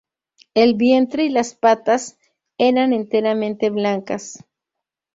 El vientre y las patas eran enteramente blancas.